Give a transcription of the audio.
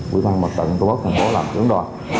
quỹ ban mật tận tổ quốc thành phố làm trưởng đoàn